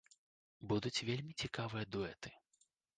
Будуць вельмі цікавыя дуэты.